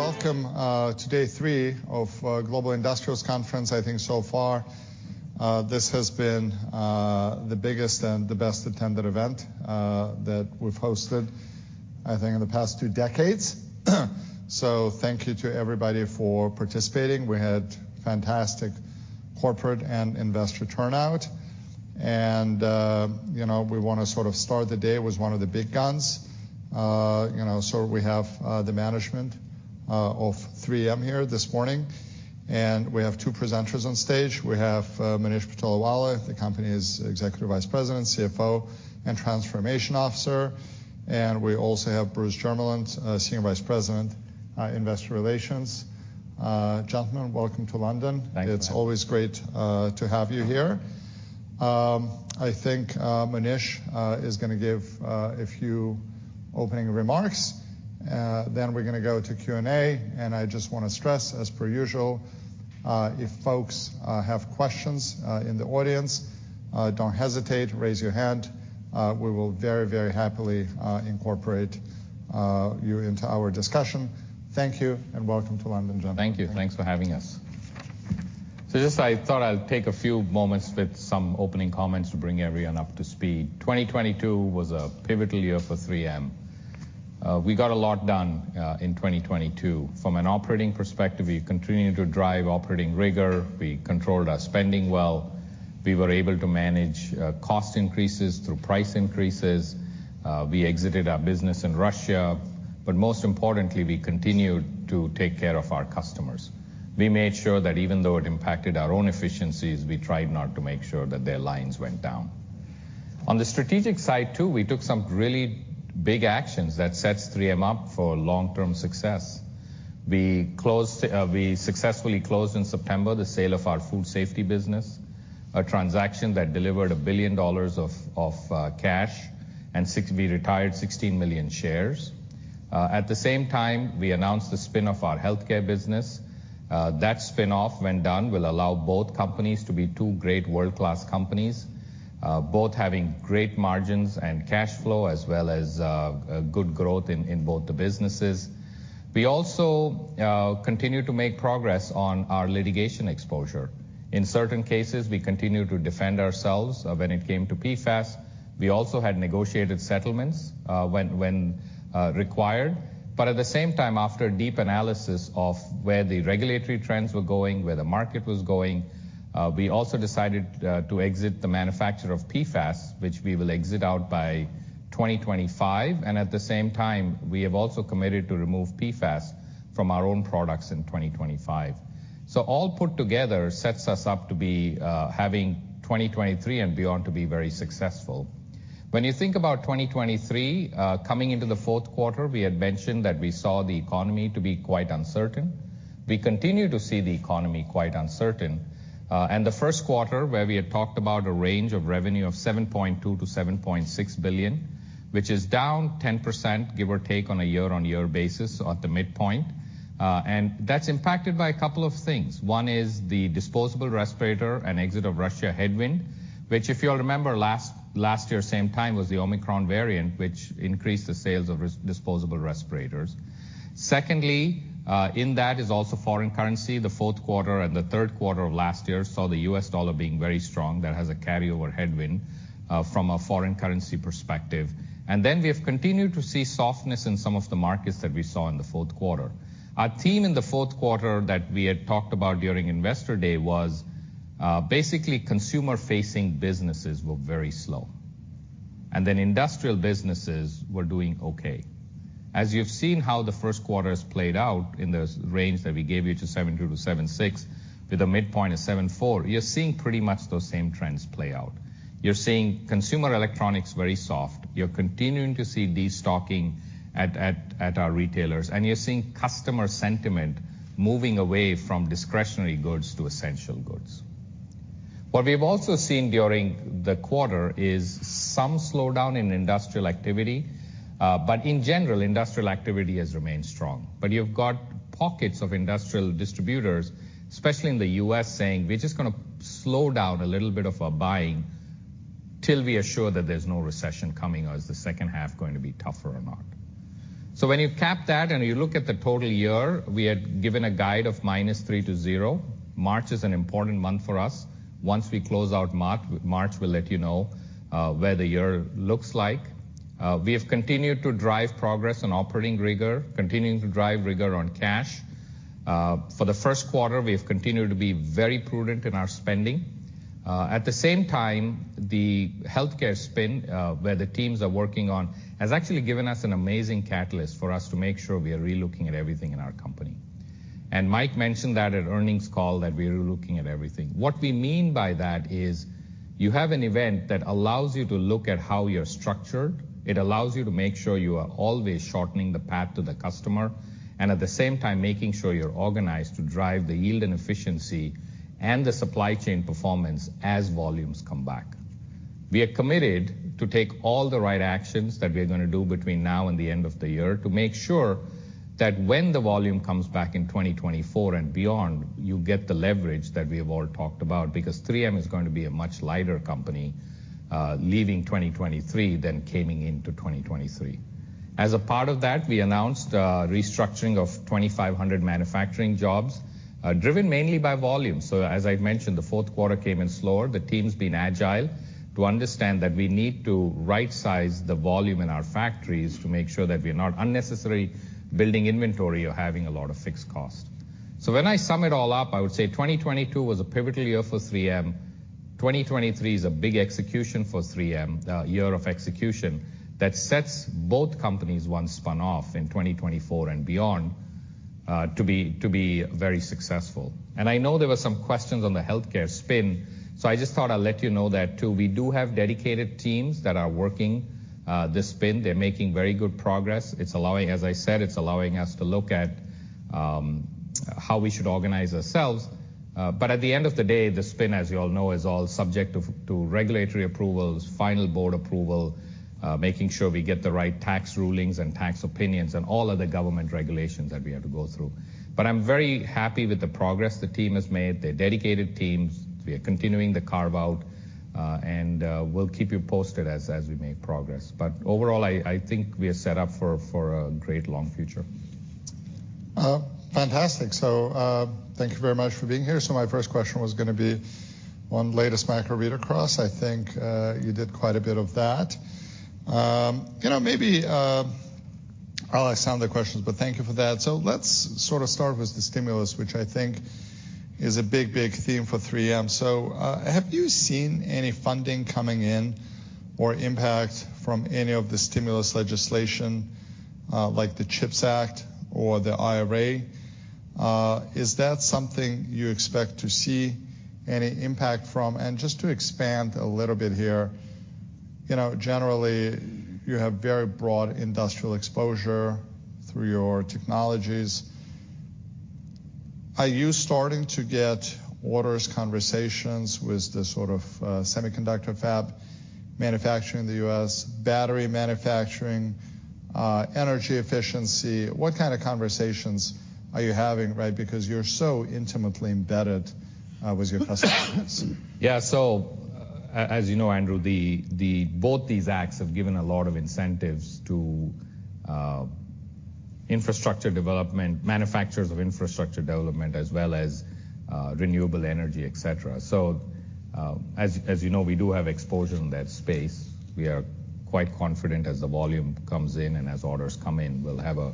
Welcome to day three of Global Industrials Conference. I think so far, this has been the biggest and the best attended event that we've hosted, I think, in the past two decades. Thank you to everybody for participating. We had fantastic corporate and investor turnout. You know, we wanna sort of start the day with one of the big guns. You know, we have the management of 3M here this morning, and we have two presenters on stage. We have Monish Patolawala, the company's Executive Vice President, CFO, and Transformation Officer. We also have Bruce Jermeland, Senior Vice President, Investor Relations. Gentlemen, welcome to London. Thank you. It's always great to have you here. I think Monish is gonna give a few opening remarks. We're gonna go to Q&A. I just wanna stress, as per usual, if folks have questions in the audience, don't hesitate, raise your hand. We will very, very happily incorporate you into our discussion. Thank you, and welcome to London, gentlemen. Thank you. Thanks for having us. Just I thought I'd take a few moments with some opening comments to bring everyone up to speed. 2022 was a pivotal year for 3M. We got a lot done in 2022. From an operating perspective, we continued to drive operating rigor. We controlled our spending well. We were able to manage cost increases through price increases. We exited our business in Russia. Most importantly, we continued to take care of our customers. We made sure that even though it impacted our own efficiencies, we tried not to make sure that their lines went down. On the strategic side too, we took some really big actions that sets 3M up for long-term success. We successfully closed in September the sale of our Food Safety business, a transaction that delivered $1 billion of cash, and we retired 16 million shares. At the same time, we announced the spin-off of our healthcare business. That spin-off, when done, will allow both companies to be two great world-class companies, both having great margins and cash flow, as well as a good growth in both the businesses. We also continued to make progress on our litigation exposure. In certain cases, we continued to defend ourselves when it came to PFAS. We also had negotiated settlements when required. At the same time, after a deep analysis of where the regulatory trends were going, where the market was going, we also decided to exit the manufacture of PFAS, which we will exit out by 2025. At the same time, we have also committed to remove PFAS from our own products in 2025. All put together sets us up to be having 2023 and beyond to be very successful. When you think about 2023, coming into the fourth quarter, we had mentioned that we saw the economy to be quite uncertain. We continue to see the economy quite uncertain. The first quarter, where we had talked about a range of revenue of $7.2 billion-$7.6 billion, which is down 10%, give or take, on a year-on-year basis at the midpoint. That's impacted by a couple of things. One is the disposable respirator and exit of Russia headwind, which, if you'll remember, last year, same time, was the Omicron variant, which increased the sales of disposable respirators. Secondly, in that is also foreign currency. The fourth quarter and the third quarter of last year saw the US dollar being very strong. That has a carryover headwind from a foreign currency perspective. We have continued to see softness in some of the markets that we saw in the fourth quarter. Our team in the fourth quarter that we had talked about during Investor Day was basically consumer-facing businesses were very slow, and then industrial businesses were doing okay. As you've seen how the first quarter's played out in the range that we gave you to $7.2-$7.6, with a midpoint of $7.4, you're seeing pretty much those same trends play out. You're seeing consumer electronics very soft. You're continuing to see destocking at our retailers, and you're seeing customer sentiment moving away from discretionary goods to essential goods. What we've also seen during the quarter is some slowdown in industrial activity. In general, industrial activity has remained strong. You've got pockets of industrial distributors, especially in the U.S., saying, "We're just gonna slow down a little bit of our buying till we are sure that there's no recession coming, or is the second half going to be tougher or not?" When you cap that and you look at the total year, we had given a guide of -3%-0%. March is an important month for us. Once we close out March, we'll let you know what the year looks like. We have continued to drive progress on operating rigor, continuing to drive rigor on cash. For the first quarter, we have continued to be very prudent in our spending. At the same time, the healthcare spin, where the teams are working on, has actually given us an amazing catalyst for us to make sure we are relooking at everything in our company. Mike mentioned that at earnings call, that we're relooking at everything. What we mean by that is, you have an event that allows you to look at how you're structured. It allows you to make sure you are always shortening the path to the customer, and at the same time, making sure you're organized to drive the yield and efficiency and the supply chain performance as volumes come back. We are committed to take all the right actions that we're gonna do between now and the end of the year to make sure that when the volume comes back in 2024 and beyond, you get the leverage that we have all talked about, because 3M is going to be a much lighter company, leaving 2023 than coming into 2023. As a part of that, we announced restructuring of 2,500 manufacturing jobs, driven mainly by volume. As I've mentioned, the fourth quarter came in slower. The team's been agile to understand that we need to right-size the volume in our factories to make sure that we're not unnecessarily building inventory or having a lot of fixed cost. When I sum it all up, I would say 2022 was a pivotal year for 3M. 2023 is a big execution for 3M, year of execution, that sets both companies, once spun off in 2024 and beyond, to be very successful. I know there were some questions on the healthcare spin, so I just thought I'd let you know that, too. We do have dedicated teams that are working the spin. They're making very good progress. As I said, it's allowing us to look at how we should organize ourselves. At the end of the day, the spin, as you all know, is all subject to regulatory approvals, final board approval, making sure we get the right tax rulings and tax opinions and all of the government regulations that we have to go through. I'm very happy with the progress the team has made. They're dedicated teams. We are continuing the carve-out, and we'll keep you posted as we make progress. Overall, I think we are set up for a great long future. Fantastic. Thank you very much for being here. My first question was gonna be on latest macro read-across. I think you did quite a bit of that. You know, maybe I'll ask some other questions, but thank you for that. Let's sort of start with the stimulus, which I think is a big, big theme for 3M. Have you seen any funding coming in or impact from any of the stimulus legislation, like the CHIPS Act or the IRA? Is that something you expect to see any impact from? Just to expand a little bit here, you know, generally, you have very broad industrial exposure through your technologies. Are you starting to get orders, conversations with the sort of, semiconductor fab manufacturing in the U.S., battery manufacturing, energy efficiency? What kind of conversations are you having, right? Because you're so intimately embedded, with your customers. Yeah. As you know, Andrew, both these acts have given a lot of incentives to infrastructure development, manufacturers of infrastructure development, as well as renewable energy, et cetera. As you know, we do have exposure in that space. We are quite confident as the volume comes in and as orders come in, we'll have a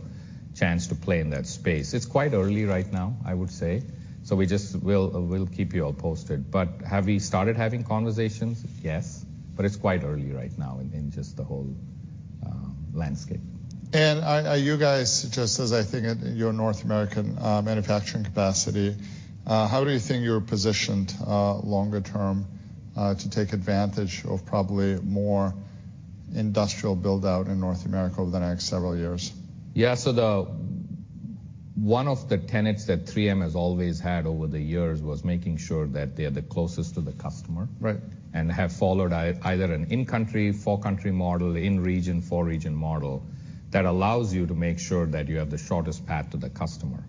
chance to play in that space. It's quite early right now, I would say, so we'll keep you all posted. Have we started having conversations? Yes, but it's quite early right now in just the whole landscape. Are you guys, just as I think in your North American manufacturing capacity, how do you think you're positioned longer term to take advantage of probably more industrial build-out in North America over the next several years? Yeah. One of the tenets that 3M has always had over the years was making sure that they're the closest to the customer- Right... and have followed either an in-country, for-country model, in-region, for-region model that allows you to make sure that you have the shortest path to the customer.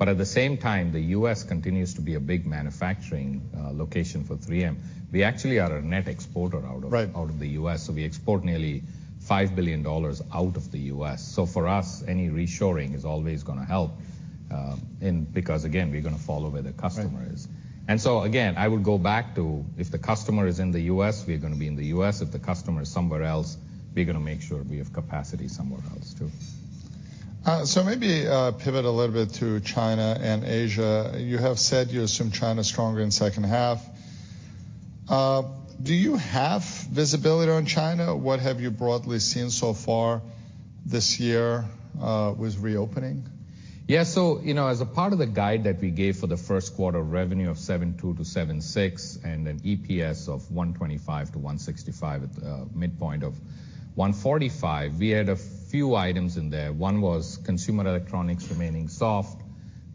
At the same time, the U.S. continues to be a big manufacturing location for 3M. We actually are a net exporter out of. Right... out of the U.S., so we export nearly $5 billion out of the U.S. For us, any reshoring is always gonna help, because, again, we're gonna follow where the customer is. Right. Again, I would go back to if the customer is in the U.S., we're gonna be in the U.S. If the customer is somewhere else, we're gonna make sure we have capacity somewhere else too. Maybe pivot a little bit to China and Asia. You have said you assume China is stronger in second half. Do you have visibility on China? What have you broadly seen so far this year with reopening? Yeah. You know, as a part of the guide that we gave for the first quarter revenue of $7.2 billion-$7.6 billion and an EPS of $1.25-$1.65 at the midpoint of $1.45, we had a few items in there. One was consumer electronics remaining soft,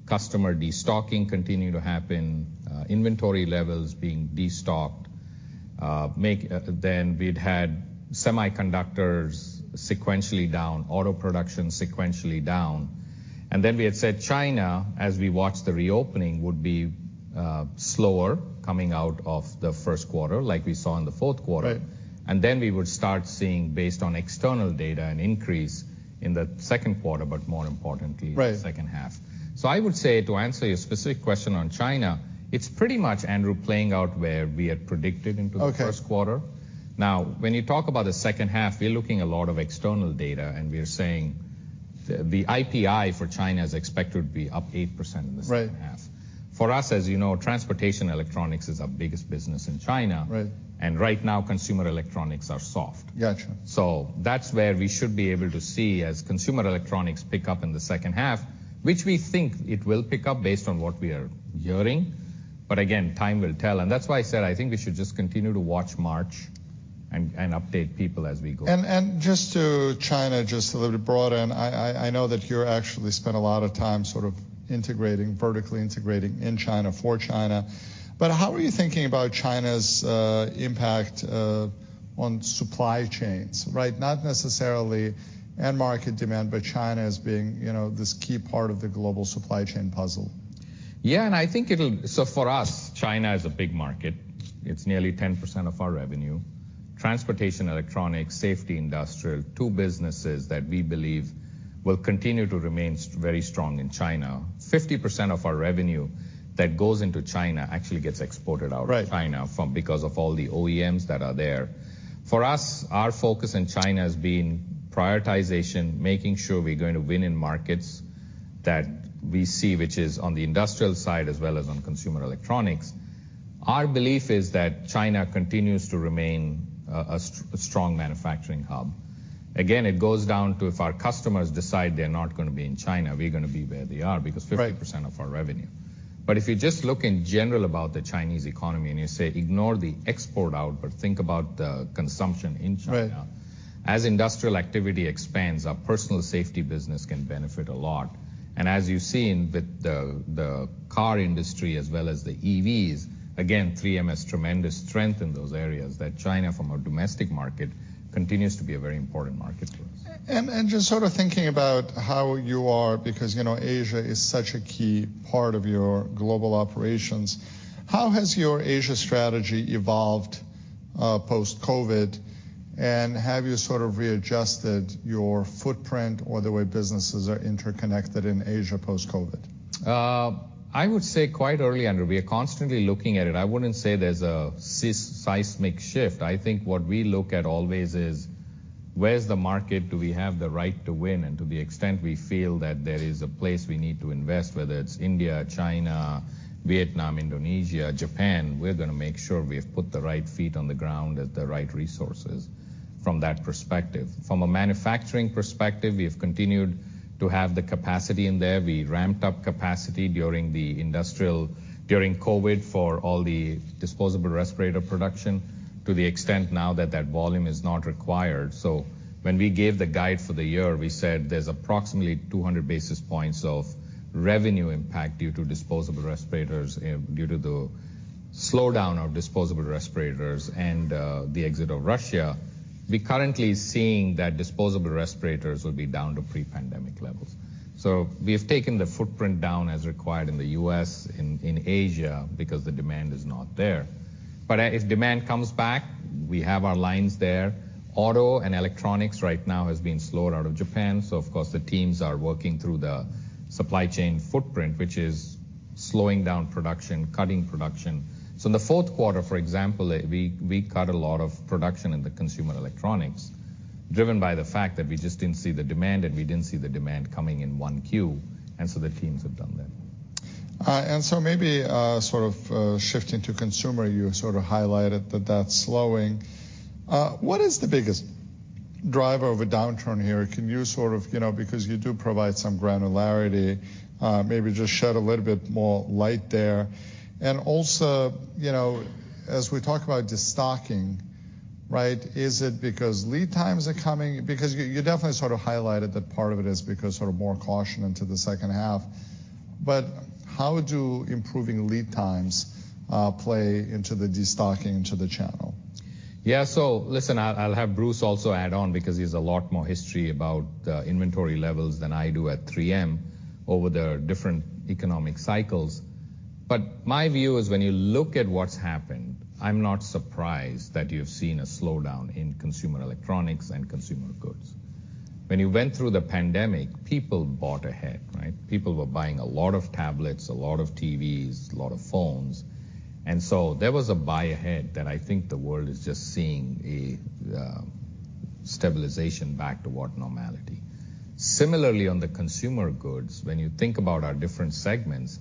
customer destocking continuing to happen, inventory levels being destocked. Then we'd had semiconductors sequentially down, auto production sequentially down. Then we had said China, as we watched the reopening, would be slower coming out of the first quarter like we saw in the fourth quarter. Right. We would start seeing, based on external data, an increase in the second quarter, but more importantly. Right... the second half. I would say, to answer your specific question on China, it's pretty much, Andrew, playing out where we had predicted into the first quarter. Okay. When you talk about the second half, we're looking a lot of external data, and we are saying the IPI for China is expected to be up 8% in the second half. Right. For us, as you know, Transportation & Electronics is our biggest business in China. Right. Right now, consumer electronics are soft. Gotcha. That's where we should be able to see as consumer electronics pick up in the second half, which we think it will pick up based on what we are hearing. Again, time will tell. That's why I said I think we should just continue to watch March and update people as we go. Just to China, just a little bit broader, and I know that you're actually spent a lot of time sort of integrating, vertically integrating in China for China, but how are you thinking about China's impact on supply chains, right? Not necessarily end market demand, but China as being, you know, this key part of the global supply chain puzzle. Yeah, I think it'll. For us, China is a big market. It's nearly 10% of our revenue. Transportation & Electronics, Safety & Industrial, two businesses that we believe will continue to remain very strong in China. 50% of our revenue that goes into China actually gets exported out. Right... of China because of all the OEMs that are there. Our focus in China has been prioritization, making sure we're going to win in markets that we see, which is on the industrial side as well as on consumer electronics. Our belief is that China continues to remain a strong manufacturing hub. It goes down to if our customers decide they're not gonna be in China, we're gonna be where they are, because. Right... 50% of our revenue. If you just look in general about the Chinese economy and you say ignore the export out, but think about the consumption in China. Right... as industrial activity expands, our personal safety business can benefit a lot. As you've seen with the car industry as well as the EVs, again, 3M has tremendous strength in those areas that China from a domestic market continues to be a very important market to us. Just sort of thinking about how you are, because, you know, Asia is such a key part of your global operations, how has your Asia strategy evolved, post-COVID, and have you sort of readjusted your footprint or the way businesses are interconnected in Asia post-COVID? I would say quite early under, we are constantly looking at it. I wouldn't say there's a seismic shift. I think what we look at always is where's the market? Do we have the right to win? To the extent we feel that there is a place we need to invest, whether it's India, China, Vietnam, Indonesia, Japan, we're gonna make sure we have put the right feet on the ground at the right resources from that perspective. From a manufacturing perspective, we have continued to have the capacity in there. We ramped up capacity during the industrial, during COVID for all the disposable respirator production to the extent now that that volume is not required. When we gave the guide for the year, we said there's approximately 200 basis points of revenue impact due to disposable respirators, due to the slowdown of disposable respirators and the exit of Russia. We're currently seeing that disposable respirators will be down to pre-pandemic levels. We have taken the footprint down as required in the US, in Asia, because the demand is not there. If demand comes back, we have our lines there. Auto and electronics right now has been slowed out of Japan, of course the teams are working through the supply chain footprint, which is slowing down production, cutting production. In the fourth quarter, for example, we cut a lot of production in the consumer electronics, driven by the fact that we just didn't see the demand and we didn't see the demand coming in one queue, and so the teams have done that. Maybe sort of shifting to consumer, you sort of highlighted that that's slowing. What is the biggest driver of a downturn here? Can you sort of, you know, because you do provide some granularity, maybe just shed a little bit more light there. You know, as we talk about destocking, right, is it because lead times are coming? You definitely sort of highlighted that part of it is because sort of more caution into the second half. How do improving lead times play into the destocking to the channel? Yeah. Listen, I'll have Bruce also add on because he has a lot more history about inventory levels than I do at 3M over the different economic cycles. My view is when you look at what's happened, I'm not surprised that you've seen a slowdown in consumer electronics and consumer goods. When you went through the pandemic, people bought ahead, right? People were buying a lot of tablets, a lot of TVs, a lot of phones, there was a buy-ahead that I think the world is just seeing a stabilization back to what normality. Similarly, on the consumer goods, when you think about our different segments,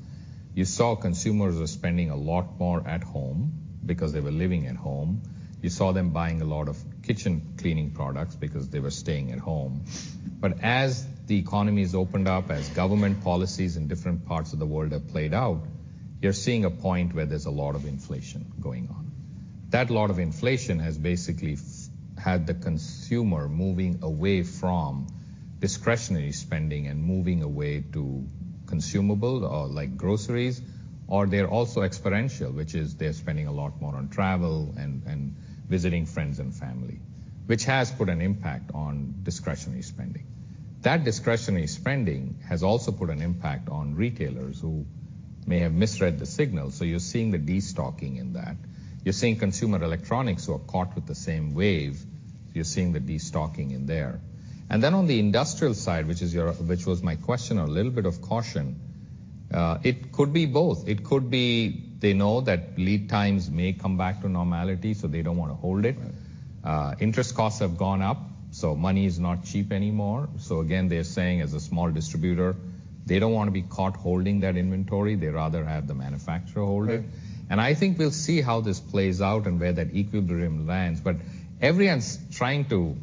you saw consumers were spending a lot more at home because they were living at home. You saw them buying a lot of kitchen cleaning products because they were staying at home. As the economies opened up, as government policies in different parts of the world have played out, you're seeing a point where there's a lot of inflation going on. Lot of inflation has basically had the consumer moving away from discretionary spending and moving away to consumable or like groceries, or they're also experiential, which is they're spending a lot more on travel and visiting friends and family, which has put an impact on discretionary spending. Discretionary spending has also put an impact on retailers who may have misread the signal, so you're seeing the destocking in that. You're seeing consumer electronics who are caught with the same wave, you're seeing the destocking in there. Then on the industrial side, which is your, which was my question, a little bit of caution, it could be both. It could be they know that lead times may come back to normality, they don't wanna hold it. Interest costs have gone up, money is not cheap anymore. Again, they're saying as a small distributor, they don't wanna be caught holding that inventory. They rather have the manufacturer hold it. Right. I think we'll see how this plays out and where that equilibrium lands. Everyone's trying to,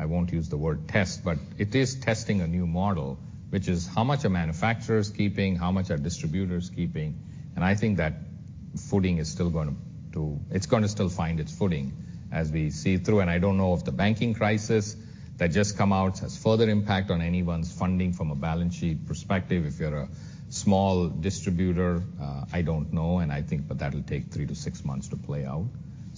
I won't use the word test, but it is testing a new model, which is how much are manufacturers keeping, how much are distributors keeping? I think that footing is still going to, it's gonna still find its footing as we see through. I don't know if the banking crisis that just come out has further impact on anyone's funding from a balance sheet perspective. If you're a small distributor... I don't know, I think that that'll take 3-6 months to play out.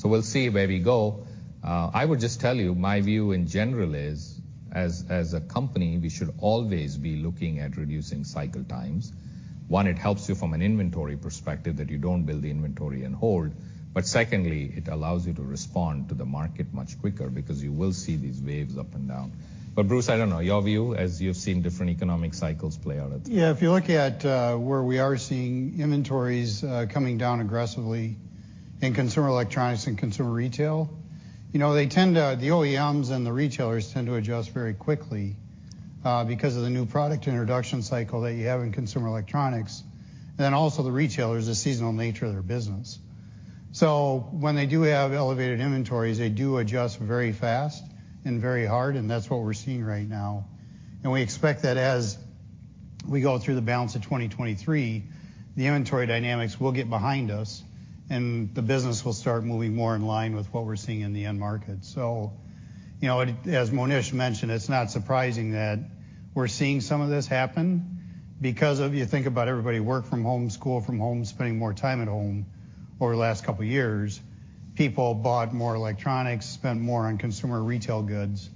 We'll see where we go. I would just tell you, my view in general is, as a company, we should always be looking at reducing cycle times. One, it helps you from an inventory perspective that you don't build the inventory and hold. Secondly, it allows you to respond to the market much quicker because you will see these waves up and down. Bruce, I don't know, your view as you've seen different economic cycles play out at 3M. Yeah. If you look at where we are seeing inventories coming down aggressively in consumer electronics and consumer retail, you know, the OEMs and the retailers tend to adjust very quickly because of the new product introduction cycle that you have in consumer electronics, then also the retailers, the seasonal nature of their business. When they do have elevated inventories, they do adjust very fast and very hard, and that's what we're seeing right now. We expect that as we go through the balance of 2023, the inventory dynamics will get behind us and the business will start moving more in line with what we're seeing in the end market. You know, as Monish mentioned, it's not surprising that we're seeing some of this happen because of you think about everybody work from home, school from home, spending more time at home over the last couple of years. People bought more electronics, spent more on consumer retail goods,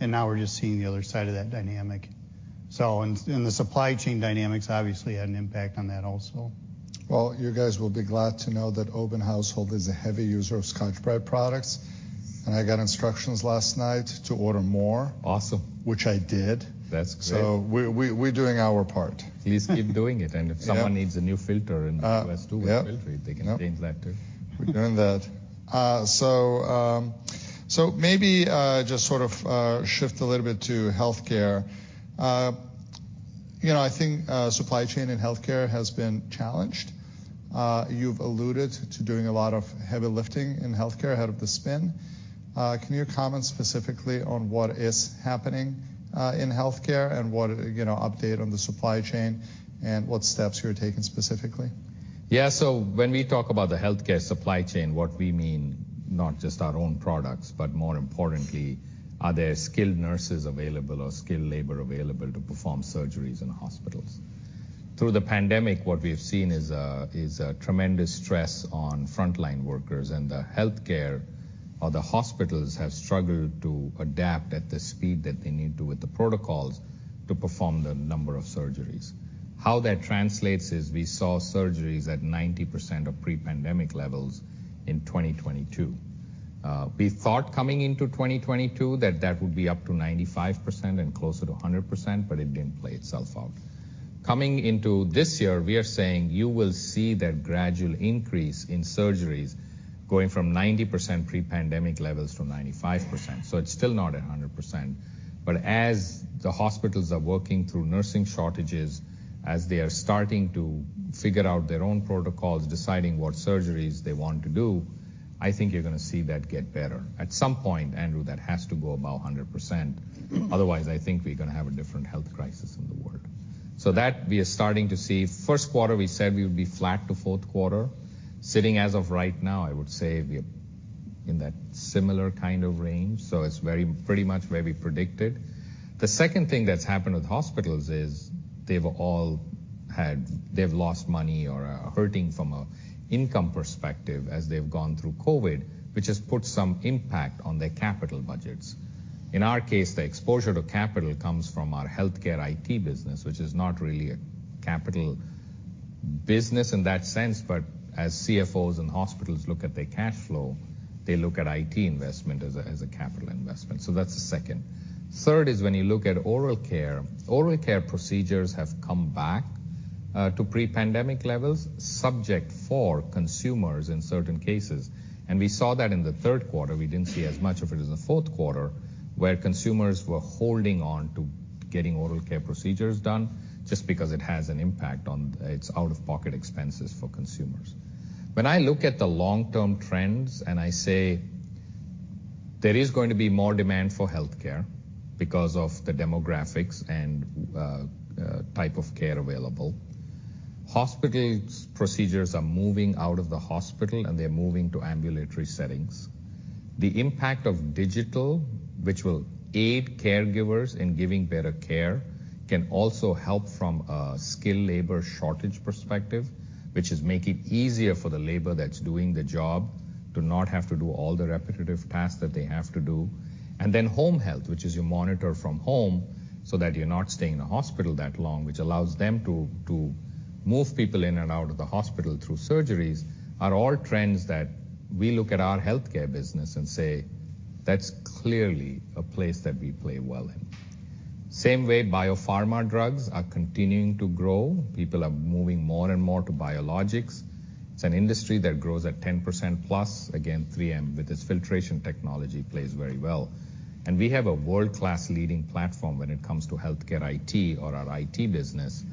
and now we're just seeing the other side of that dynamic. And the supply chain dynamics obviously had an impact on that also. Well, you guys will be glad to know that Obin household is a heavy user of Scotch-Brite products. I got instructions last night to order more. Awesome. Which I did. That's great. We're doing our part. Please keep doing it. If someone needs a new filter in S2 with filter, they can change that too. We're doing that. Maybe, just sort of, shift a little bit to healthcare. You know, I think, supply chain in healthcare has been challenged. You've alluded to doing a lot of heavy lifting in healthcare ahead of the spin. Can you comment specifically on what is happening, in healthcare and what, you know, update on the supply chain and what steps you're taking specifically? When we talk about the healthcare supply chain, what we mean, not just our own products, but more importantly, are there skilled nurses available or skilled labor available to perform surgeries in hospitals? Through the pandemic, what we have seen is tremendous stress on frontline workers and the healthcare or the hospitals have struggled to adapt at the speed that they need to with the protocols to perform the number of surgeries. How that translates is we saw surgeries at 90% of pre-pandemic levels in 2022. We thought coming into 2022 that that would be up to 95% and closer to 100%, but it didn't play itself out. Coming into this year, we are saying you will see that gradual increase in surgeries going from 90% pre-pandemic levels to 95%. It's still not at 100%. As the hospitals are working through nursing shortages, as they are starting to figure out their own protocols, deciding what surgeries they want to do, I think you're gonna see that get better. At some point, Andrew, that has to go about 100%. Otherwise, I think we're gonna have a different health crisis in the world. That we are starting to see. First quarter, we said we would be flat to fourth quarter. Sitting as of right now, I would say we're in that similar kind of range. It's pretty much where we predicted. The second thing that's happened with hospitals is they've all had they've lost money or are hurting from an income perspective as they've gone through COVID, which has put some impact on their capital budgets. In our case, the exposure to capital comes from our healthcare IT business, which is not really a capital business in that sense. As CFOs and hospitals look at their cash flow, they look at IT investment as a capital investment. That's the second. Third is when you look at oral care. Oral care procedures have come back to pre-pandemic levels, subject for consumers in certain cases. We saw that in the third quarter. We didn't see as much of it in the fourth quarter, where consumers were holding on to getting oral care procedures done just because it has an impact on its out-of-pocket expenses for consumers. When I look at the long-term trends and I say there is going to be more demand for healthcare because of the demographics and type of care available. Hospitals procedures are moving out of the hospital, and they're moving to ambulatory settings. The impact of digital, which will aid caregivers in giving better care, can also help from a skilled labor shortage perspective, which is make it easier for the labor that's doing the job to not have to do all the repetitive tasks that they have to do. Home health, which is you monitor from home so that you're not staying in the hospital that long, which allows them to move people in and out of the hospital through surgeries, are all trends that we look at our healthcare business and say, "That's clearly a place that we play well in." Same way, biopharma drugs are continuing to grow. People are moving more and more to biologics. It's an industry that grows at 10% plus. 3M with its filtration technology plays very well. We have a world-class leading platform when it comes to healthcare IT or our IT business.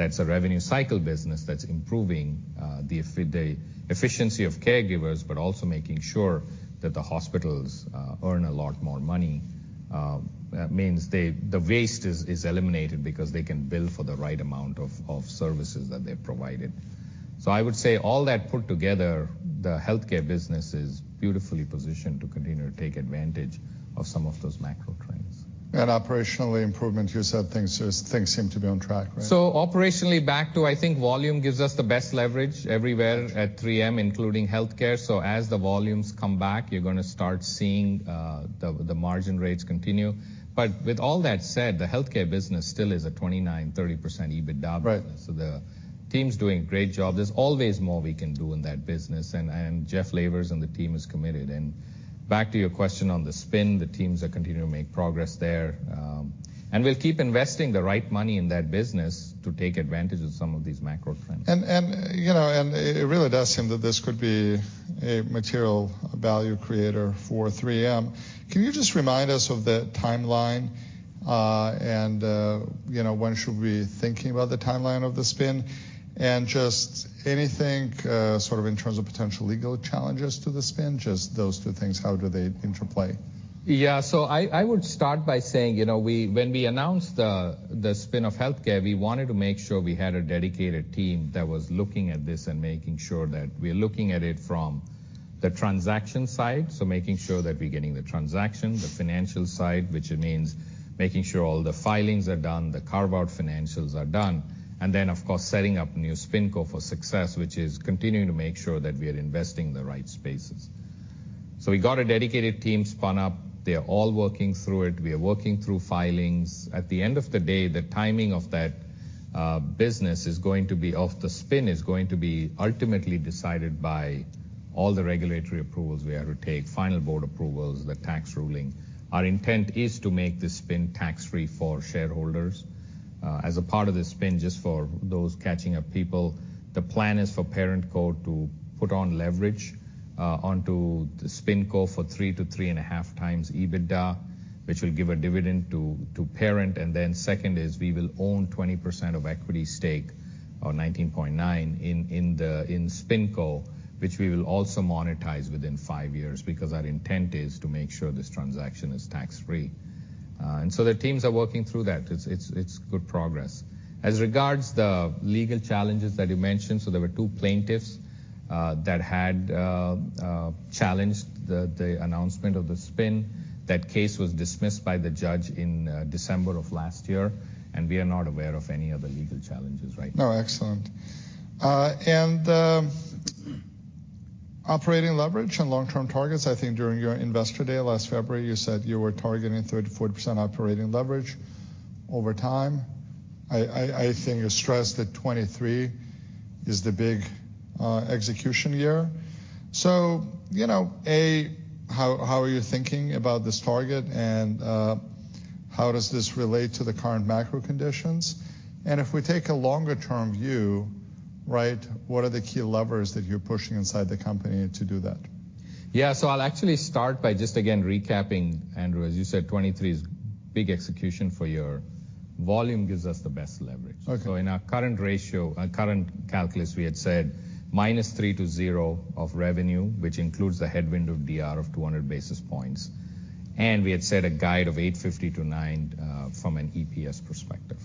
That's a revenue cycle business that's improving the efficiency of caregivers, but also making sure that the hospitals earn a lot more money. That means the waste is eliminated because they can bill for the right amount of services that they've provided. I would say all that put together, the healthcare business is beautifully positioned to continue to take advantage of some of those macro trends. Operationally, improvement, you said things seem to be on track, right? Operationally, back to I think volume gives us the best leverage everywhere at 3M, including healthcare. As the volumes come back, you're gonna start seeing the margin rates continue. With all that said, the healthcare business still is a 29%-30% EBITDA business. Right. The team's doing a great job. There's always more we can do in that business, and Jeff Lavers and the team is committed. Back to your question on the spin, the teams are continuing to make progress there. We'll keep investing the right money in that business to take advantage of some of these macro trends. You know, it really does seem that this could be a material value creator for 3M. Can you just remind us of the timeline, and, you know, when should we be thinking about the timeline of the spin? Just anything, sort of in terms of potential legal challenges to the spin, just those two things, how do they interplay? Yeah. I would start by saying, you know, when we announced the spin of healthcare, we wanted to make sure we had a dedicated team that was looking at this and making sure that we're looking at it from the transaction side, making sure that we're getting the transaction, the financial side, which means making sure all the filings are done, the carve-out financials are done, of course, setting up new SpinCo for success, which is continuing to make sure that we are investing in the right spaces. We got a dedicated team spun up. They're all working through it. We are working through filings. At the end of the day, the timing of that business is going to be the spin is going to be ultimately decided by all the regulatory approvals we have to take, final board approvals, the tax ruling. Our intent is to make the spin tax-free for shareholders. As a part of the spin, just for those catching up people, the plan is for ParentCo to put on leverage onto the SpinCo for 3-3.5 times EBITDA, which will give a dividend to parent. Second is we will own 20% of equity stake or 19.9 in SpinCo, which we will also monetize within 5 years because our intent is to make sure this transaction is tax-free. The teams are working through that. It's, it's good progress. As regards the legal challenges that you mentioned, there were two plaintiffs that had challenged the announcement of the spin. That case was dismissed by the judge in December of last year. We are not aware of any other legal challenges right now. Excellent. Operating leverage and long-term targets, I think during your Investor Day last February, you said you were targeting 30%-40% operating leverage over time. I think you stressed that 2023 is the big execution year. you know, how are you thinking about this target, and how does this relate to the current macro conditions? If we take a longer term view, right, what are the key levers that you're pushing inside the company to do that? Yeah. I'll actually start by just again recapping, Andrew. As you said, 2023 is big execution for your... Volume gives us the best leverage. Okay. In our current ratio, current calculus, we had said -3% to 0% of revenue, which includes the headwind of DR of 200 basis points. We had set a guide of $8.50-$9.00 from an EPS perspective.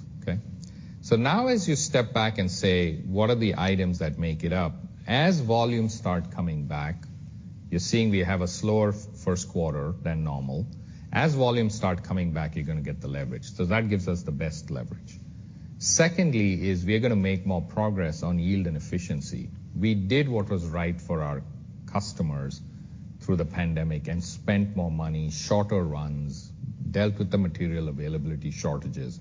Okay. Now as you step back and say, "What are the items that make it up?" As volumes start coming back, you're seeing we have a slower first quarter than normal. As volumes start coming back, you're gonna get the leverage. That gives us the best leverage. Secondly, we're gonna make more progress on yield and efficiency. We did what was right for our customers through the pandemic and spent more money, shorter runs, dealt with the material availability shortages.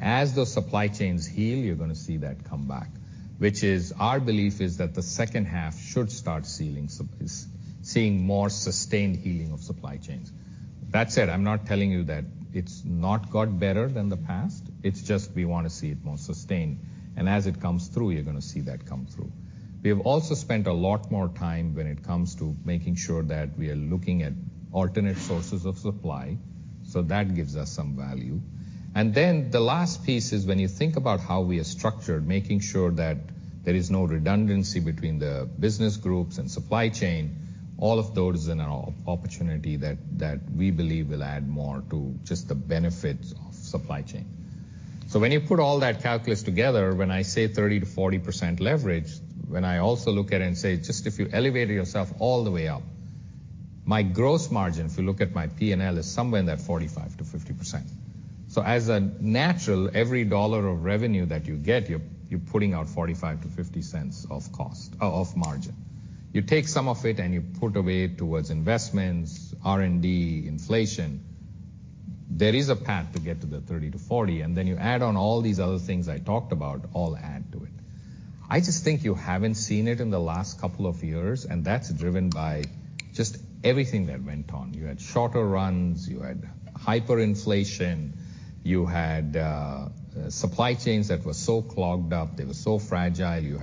As those supply chains heal, you're gonna see that come back, which is our belief is that the second half should start seeing more sustained healing of supply chains. That said, I'm not telling you that it's not got better than the past. It's just we wanna see it more sustained. As it comes through, you're gonna see that come through. We have also spent a lot more time when it comes to making sure that we are looking at alternate sources of supply, that gives us some value. The last piece is when you think about how we are structured, making sure that there is no redundancy between the business groups and supply chain. All of those are an opportunity that we believe will add more to just the benefits of supply chain. When you put all that calculus together, when I say 30%-40% leverage, when I also look at it and say, just if you elevated yourself all the way up, my gross margin, if you look at my P&L, is somewhere in that 45%-50%. As a natural, every dollar of revenue that you get, you're putting out $0.45-$0.50 of margin. You take some of it, and you put away towards investments, R&D, inflation. There is a path to get to the 30%-40%, and then you add on all these other things I talked about all add to it. I just think you haven't seen it in the last couple of years, and that's driven by just everything that went on. You had shorter runs. You had hyperinflation. You had supply chains that were so clogged up. They were so fragile.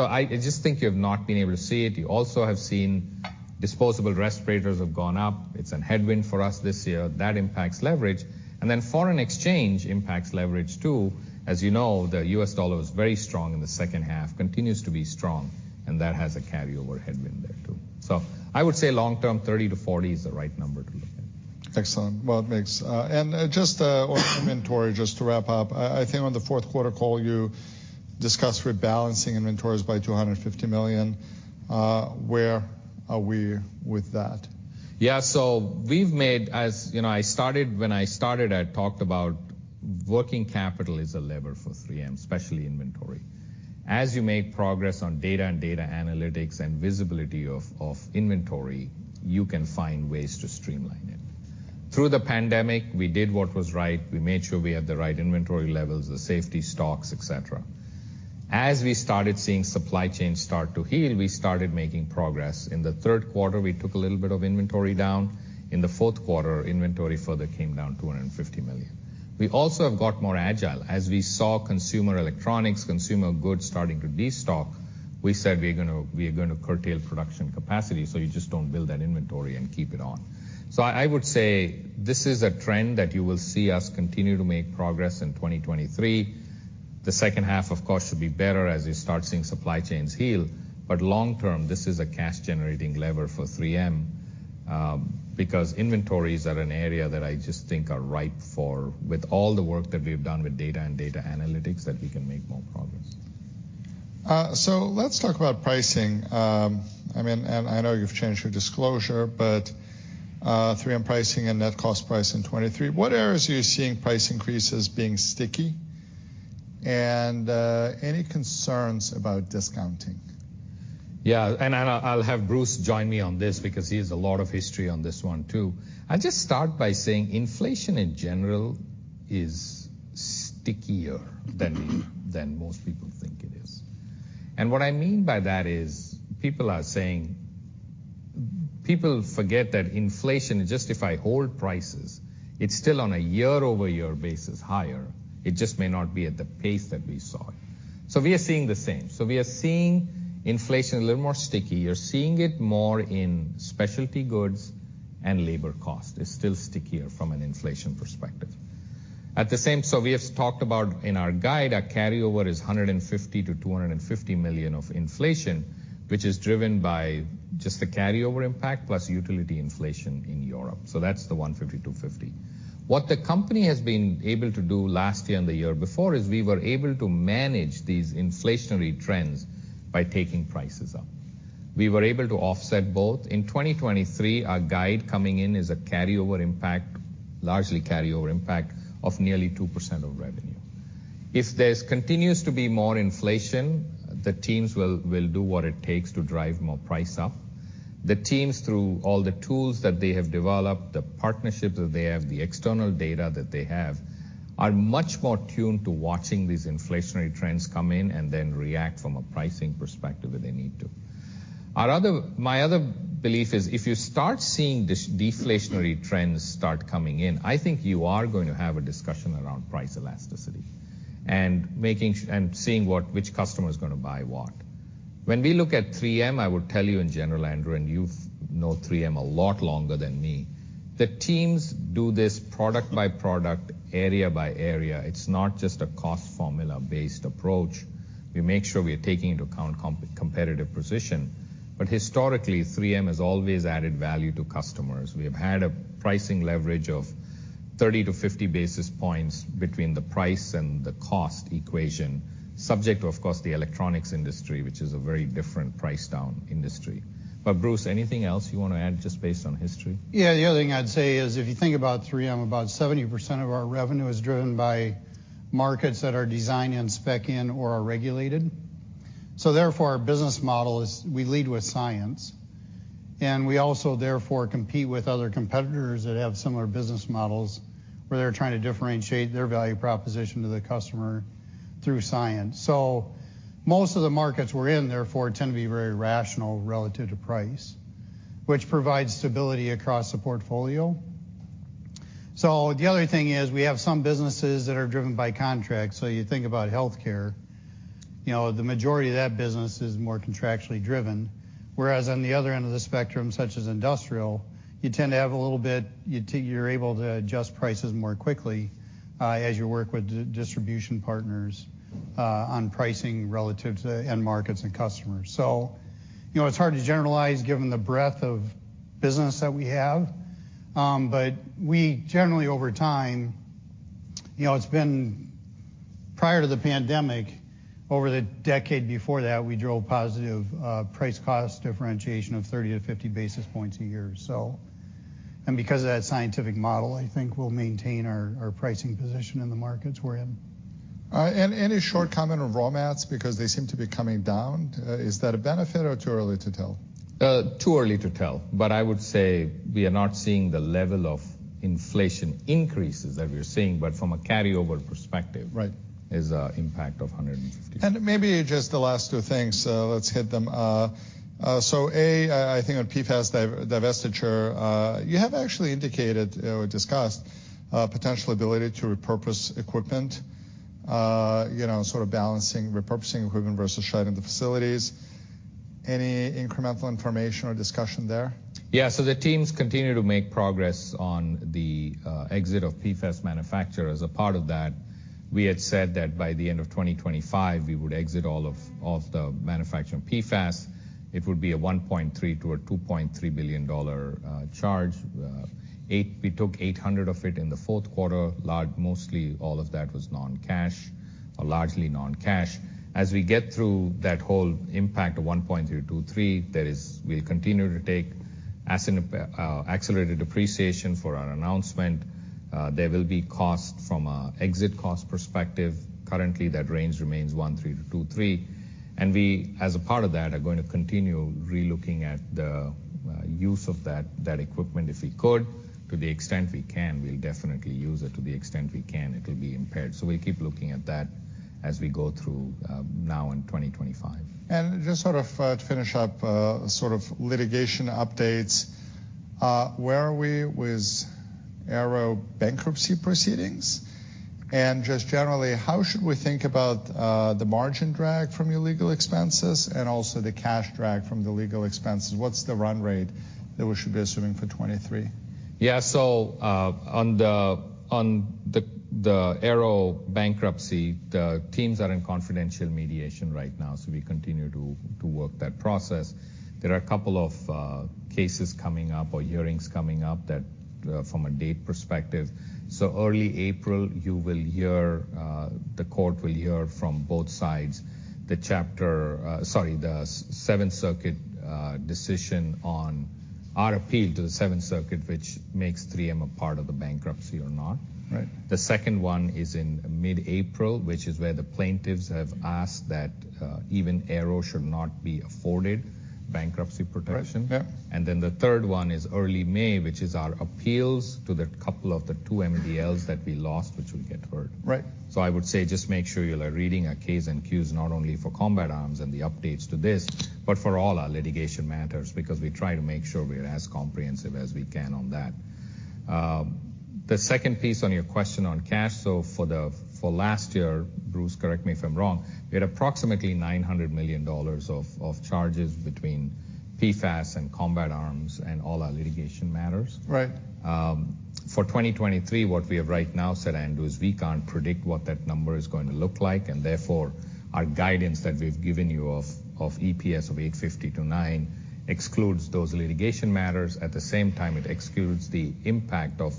I just think you have not been able to see it. You also have seen disposable respirators have gone up. It's an headwind for us this year. That impacts leverage. Then foreign exchange impacts leverage, too. As you know, the US dollar was very strong in the second half, continues to be strong, and that has a carryover headwind there, too. I would say long term, 30-40 is the right number to look at. Excellent. Well, it makes... and, just on inventory, just to wrap up, I think on the fourth quarter call, you discuss rebalancing inventories by $250 million, where are we with that? Yeah. We've made as-- You know, when I started, I talked about working capital is a lever for 3M, especially inventory. As you make progress on data and data analytics and visibility of inventory, you can find ways to streamline it. Through the pandemic, we did what was right. We made sure we had the right inventory levels, the safety stocks, et cetera. As we started seeing supply chain start to heal, we started making progress. In the third quarter, we took a little bit of inventory down. In the fourth quarter, inventory further came down $250 million. We also have got more agile. As we saw consumer electronics, consumer goods starting to destock, we said we're gonna curtail production capacity, so you just don't build that inventory and keep it on. I would say this is a trend that you will see us continue to make progress in 2023. The second half, of course, should be better as you start seeing supply chains heal. Long term, this is a cash-generating lever for 3M, because inventories are an area that I just think are ripe for with all the work that we've done with data and data analytics that we can make more progress. Let's talk about pricing. I mean, and I know you've changed your disclosure, but, 3M pricing and net cost price in 23, what areas are you seeing price increases being sticky? Any concerns about discounting? I'll have Bruce join me on this because he has a lot of history on this one, too. I'll just start by saying inflation, in general, is stickier than most people think it is. What I mean by that is people forget that inflation, just if I hold prices, it's still on a year-over-year basis higher. It just may not be at the pace that we saw. We are seeing the same. We are seeing inflation a little more sticky. You're seeing it more in specialty goods and labor cost. It's still stickier from an inflation perspective. At the same, we have talked about in our guide, our carryover is $150 million-$250 million of inflation, which is driven by just the carryover impact plus utility inflation in Europe. That's the 150, 250. What the company has been able to do last year and the year before, is we were able to manage these inflationary trends by taking prices up. We were able to offset both. In 2023, our guide coming in is a carryover impact, largely carryover impact of nearly 2% of revenue. If there's continues to be more inflation, the teams will do what it takes to drive more price up. The teams through all the tools that they have developed, the partnerships that they have, the external data that they have, are much more tuned to watching these inflationary trends come in and then react from a pricing perspective if they need to. My other belief is if you start seeing deflationary trends start coming in, I think you are going to have a discussion around price elasticity and seeing which customer is gonna buy what. When we look at 3M, I would tell you in general, Andrew, and you've known 3M a lot longer than me, the teams do this product by product, area by area. It's not just a cost formula-based approach. We make sure we are taking into account comp-competitive position. Historically, 3M has always added value to customers. We have had a pricing leverage of 30-50 basis points between the price and the cost equation, subject, of course, the electronics industry, which is a very different price down industry. Bruce, anything else you wanna add just based on history? Yeah. The other thing I'd say is, if you think about 3M, about 70% of our revenue is driven by markets that are designed and spec-in or are regulated. Therefore, our business model is we lead with science, and we also therefore compete with other competitors that have similar business models, where they're trying to differentiate their value proposition to the customer through science. Most of the markets we're in, therefore, tend to be very rational relative to price, which provides stability across the portfolio. The other thing is we have some businesses that are driven by contracts. You think about healthcare, you know, the majority of that business is more contractually driven, whereas on the other end of the spectrum, such as Industrial, you tend to have a little bit, you're able to adjust prices more quickly as you work with distribution partners on pricing relative to end markets and customers. You know, it's hard to generalize given the breadth of business that we have. We generally, over time, you know, it's been prior to the pandemic, over the decade before that, we drove positive price cost differentiation of 30 to 50 basis points a year or so. Because of that scientific model, I think we'll maintain our pricing position in the markets we're in. A short comment of raw mats because they seem to be coming down. Is that a benefit or too early to tell? Too early to tell. I would say we are not seeing the level of inflation increases that we're seeing, but from a carryover perspective. Right -is our impact of $150. Maybe just the last two things. Let's hit them. So, I think on PFAS divestiture, you have actually indicated or discussed potential ability to repurpose equipment, you know, sort of balancing repurposing equipment versus shutting the facilities. Any incremental information or discussion there? Yeah. The teams continue to make progress on the exit of PFAS manufacture. As a part of that, we had said that by the end of 2025, we would exit all of the manufacturing PFAS. It would be a $1.3 billion-$2.3 billion charge, we took $800 million of it in the fourth quarter. Largely, mostly all of that was non-cash or largely non-cash. As we get through that whole impact of $1.3 billion-$2.3 billion, that is, we'll continue to take accelerated depreciation for our announcement. There will be costs from an exit cost perspective. Currently, that range remains $1.3 billion-$2.3 billion. We, as a part of that, are going to continue re-looking at the use of that equipment if we could. To the extent we can, we'll definitely use it. To the extent we can't, it will be impaired. We'll keep looking at that as we go through, now in 2025. Just sort of to finish up, sort of litigation updates, where are we with Aearo bankruptcy proceedings? Just generally, how should we think about the margin drag from your legal expenses and also the cash drag from the legal expenses? What's the run rate that we should be assuming for 2023? On the Aearo bankruptcy, the teams are in confidential mediation right now. We continue to work that process. There are a couple of cases coming up or hearings coming up that from a date perspective. Early April, you will hear the court will hear from both sides the Seventh Circuit decision on our appeal to the Seventh Circuit, which makes 3M a part of the bankruptcy or not. Right. The second one is in mid-April, which is where the plaintiffs have asked that even Aearo should not be afforded bankruptcy protection. Right. Yeah. The third one is early May, which is our appeals to the couple of the two MDLs that we lost, which will get heard. Right. I would say just make sure you're reading our K's and Q's not only for Combat Arms and the updates to this, but for all our litigation matters, because we try to make sure we're as comprehensive as we can on that. The second piece on your question on cash. For last year, Bruce, correct me if I'm wrong, we had approximately $900 million of charges between PFAS and Combat Arms and all our litigation matters. Right. For 2023, what we have right now said, Andrew, is we can't predict what that number is going to look like, therefore our guidance that we've given you of EPS of $8.50-$9 excludes those litigation matters. At the same time, it excludes the impact of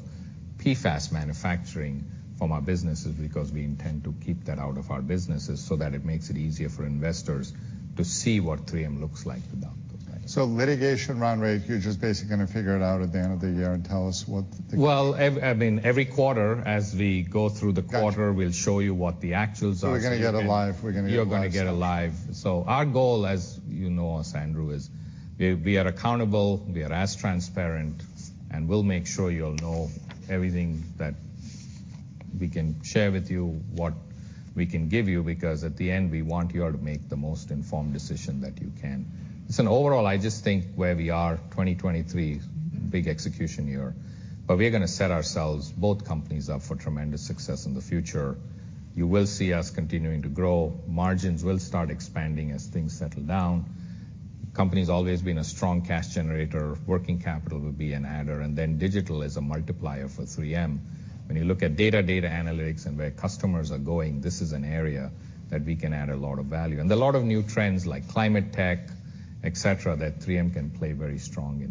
PFAS manufacturing from our businesses because we intend to keep that out of our businesses so that it makes it easier for investors to see what 3M looks like without those matters. litigation run rate, you're just basically going to figure it out at the end of the year and tell us what the-. Well, I mean, every quarter as we go through the quarter, we'll show you what the actuals are. We're gonna get a live... You're gonna get a live. Our goal, as you know, Andrew, is we are accountable, we are as transparent, and we'll make sure you'll know everything that we can share with you, what we can give you, because at the end, we want you all to make the most informed decision that you can. Listen, overall, I just think where we are, 2023, big execution year. We're gonna set ourselves, both companies, up for tremendous success in the future. You will see us continuing to grow. Margins will start expanding as things settle down. Company's always been a strong cash generator. Working capital will be an adder, and then digital is a multiplier for 3M. When you look at data analytics, and where customers are going, this is an area that we can add a lot of value. A lot of new trends like climate tech, et cetera, that 3M can play very strong.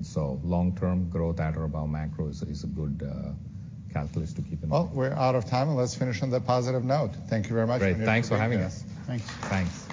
Long term growth at or above macro is a good calculus to keep in mind. Well, we're out of time, and let's finish on that positive note. Thank you very much. Great. Thanks for having us. Thanks. Thanks.